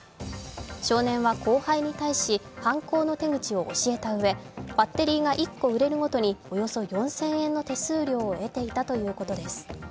少年は後輩に対し犯行の手口を教えたうえ、バッテリーが１個売れるごとにおよそ４０００円の手数料を得ていたということです。